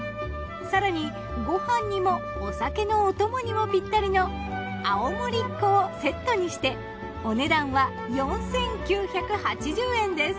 更にご飯にもお酒のお供にもピッタリのあおもりっ娘をセットにしてお値段は４，９８０円です。